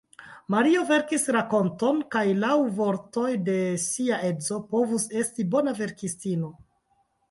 Mario verkis rakonton, kaj laŭ vortoj de sia edzo povus esti bona verkistino.